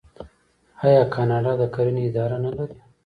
آیا کاناډا د کرنې اداره نلري؟